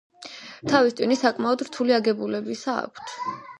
თავის ტვინი საკმაოდ რთული აგებულებისა აქვთ.